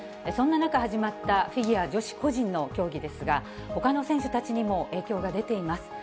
そんな中始まったフィギュア女子個人の競技ですが、ほかの選手たちにも影響が出ています。